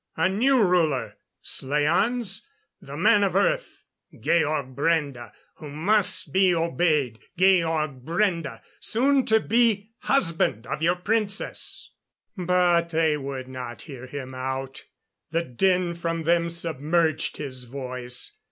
A new ruler, slaans the man of Earth Georg Brende who must be obeyed Georg Brende, soon to be husband of your Princess " But they would not hear him out. The din from them submerged his voice.